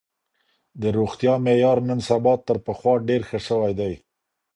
د روغتيا معيار نن سبا تر پخوا ډير ښه سوی دی.